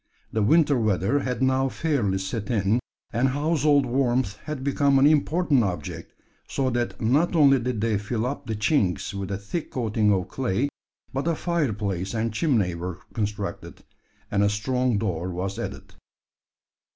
The winter weather had now fairly set in; and household warmth had become an important object: so that not only did they fill up the chinks with a thick coating of clay, but a fireplace and chimney were constructed, and a strong door was added.